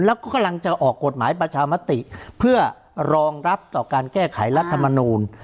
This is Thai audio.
แล้วก็กำลังจะออกกฎหมายประชามติเพื่อรองรับต่อการแก้ไขรัฐมนูล